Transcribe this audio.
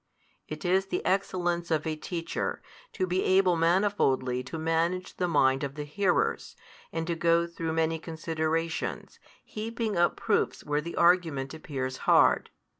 It is the excellence of a teacher, to be able manifoldly to manage the mind of the hearers, and to go through many considerations, heaping up proofs where the argument appears hard.